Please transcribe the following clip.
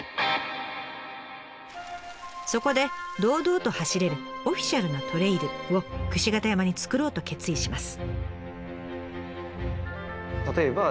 そこで堂々と走れるオフィシャルなトレイルを櫛形山に作ろうと決意します。